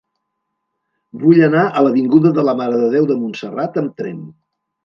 Vull anar a l'avinguda de la Mare de Déu de Montserrat amb tren.